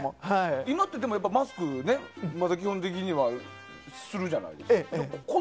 今ってマスク、基本的にはまだするじゃないですか。